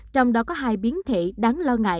trong đó có hai biến thể đáng lo ngại